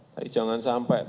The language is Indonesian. tapi jangan sampai